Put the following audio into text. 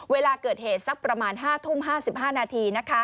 เวลาเกิดเหตุสักประมาณ๕ทุ่ม๕๕นาที